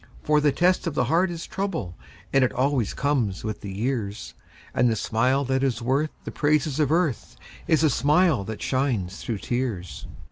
For the test of the heart is trouble, And it always comes with the years, And the smile that is worth the praises of earth Is the smile that shines through tears.